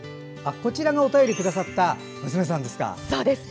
こちらがお便りくださった娘さんですか。